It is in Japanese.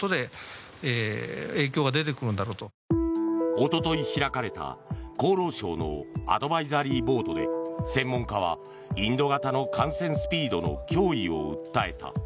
一昨日開かれた厚生労働省のアドバイザリーボードで専門家はインド型の感染スピードの脅威を訴えた。